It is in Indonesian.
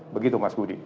begitu mas budi